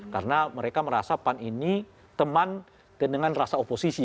karena mereka merasa pan ini teman dengan rasa oposisi